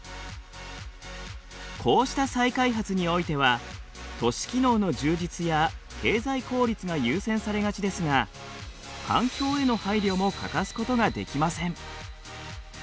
こうした再開発においてはが優先されがちですが環境への配慮も欠かすことができません。